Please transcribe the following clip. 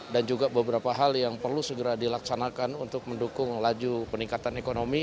dan juga beberapa hal yang perlu segera dilaksanakan untuk mendukung laju peningkatan ekonomi